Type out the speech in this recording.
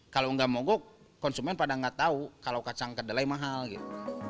kalau nggak mogok konsumen pada nggak tahu kalau kacang kedelai mahal gitu